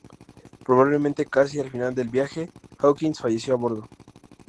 Probablemente casi al final del viaje, Hawkins falleció a bordo.